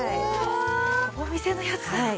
お店のやつだ。